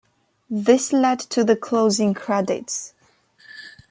This led to the closing credits.